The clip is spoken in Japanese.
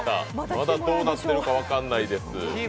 まだどうなってるか分からないです。